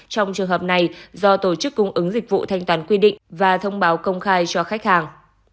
trong trường hợp này do tổ chức cung ứng dịch vụ thanh toán quy định và thông báo công khai cho khách hàng